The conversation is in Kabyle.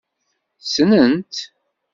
Ssnen-tt.